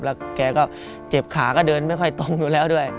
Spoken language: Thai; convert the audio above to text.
แล้วแกก็เจ็บขาก็เดินไม่ค่อยตรงอยู่แล้วด้วย